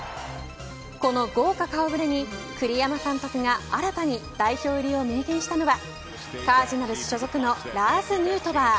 この豪華顔ぶれに栗山監督が新たに代表入りを明言したのはカージナルズ所属のラーズ・ヌートバー。